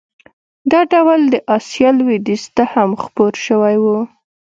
دا ډول د اسیا لوېدیځ ته هم خپور شوی و.